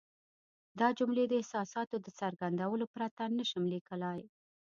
دا جملې د احساساتو د څرګندولو پرته نه شم لیکلای.